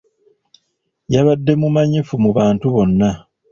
Yabadde mumanyifu mu bantu bonna.